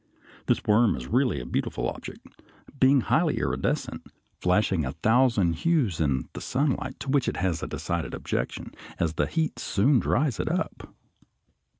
This worm is really a beautiful object, being highly iridescent, flashing a thousand hues in the sunlight to which it has a decided objection, as the heat soon dries it up.